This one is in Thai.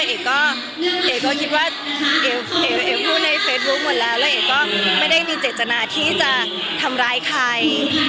เอกก็เอกก็คิดว่าเอ๋เอกพูดในเฟซบุ๊คหมดแล้วแล้วเอกก็ไม่ได้มีเจตนาที่จะทำร้ายใคร